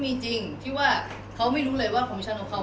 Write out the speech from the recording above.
มีครับมีครับเรามีการประสานงานกับแลนด์ทั้งมุมครับ